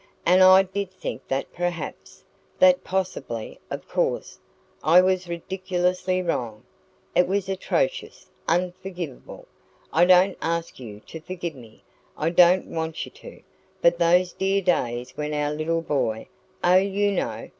And I DID think that perhaps, that possibly of course, I was ridiculously wrong it was atrocious, unforgivable I don't ask you to forgive me I don't want you to but those dear days when our little boy oh, you know!